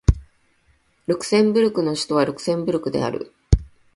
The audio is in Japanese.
ルクセンブルクの首都はルクセンブルクである